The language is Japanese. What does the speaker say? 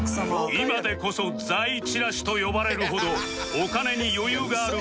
今でこそ財散らしと呼ばれるほどお金に余裕があるくっきー！